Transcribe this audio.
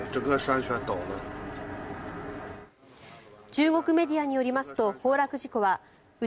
中国メディアによりますと崩落事故は内